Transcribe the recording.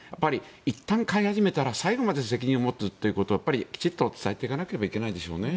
いったん飼い始めたら最後まで責任を持つということをきちんと伝えていかなければいけないでしょうね。